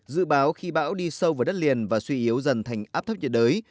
dự báo khi bão đi sâu vào đất liền và suy yếu dần thành áp thấp nhiệt đới